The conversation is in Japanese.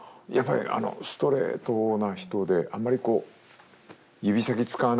やっぱりあのストレートな人であまりこう指先使わない。